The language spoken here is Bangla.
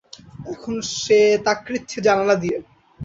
এখন সে তাকৃচ্ছে জানালা দিয়ে।